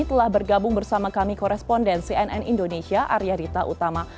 telah bergabung bersama kami koresponden cnn indonesia arya dita utama